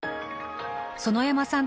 園山さん